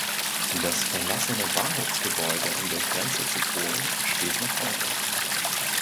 Das verlassene Bahnhofsgebäude an der Grenze zu Polen steht noch heute.